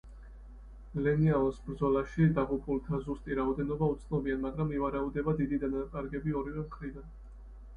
ლენიანოს ბრძოლაში დაღუპულთა ზუსტი რაოდენობა უცნობია, მაგრამ ივარაუდება დიდი დანაკარგები ორივე მხრიდან.